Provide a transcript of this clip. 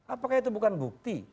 apakah itu bukan bukti